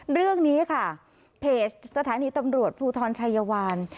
เรื่องนี้ค่ะเพจสถานีตำรวจภูทรชัยวาน